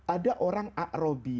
ada orang akrobi